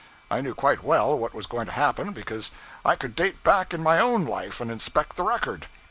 I knew quite well what was going to happen, because I could date back in my own life and inspect the record.